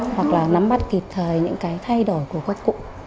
hoặc là nắm bắt kịp thời những cái thay đổi của các cụ